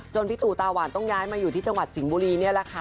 พี่ตู่ตาหวานต้องย้ายมาอยู่ที่จังหวัดสิงห์บุรีนี่แหละค่ะ